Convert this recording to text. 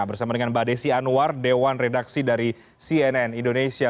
bersama dengan mbak desi anwar dewan redaksi dari cnn indonesia